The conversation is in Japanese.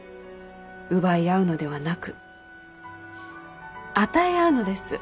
奪い合うのではなく与え合うのです。